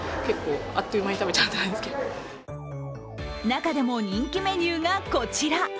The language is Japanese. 中でも人気メニューがこちら。